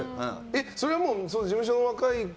それは事務所の若い子